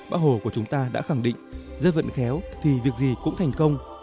bác hồ của chúng ta đã khẳng định dân vận khéo thì việc gì cũng thành công